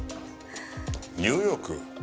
ニューヨーク？